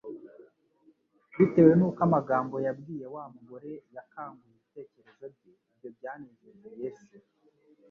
Bitewe n’uko amagambo yabwiye wa mugore yakanguye ibitekerezo bye, ibyo byanejeje Yesu.